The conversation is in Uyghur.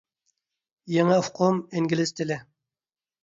يېڭى ئۇقۇم ئىنگلىز تىلى.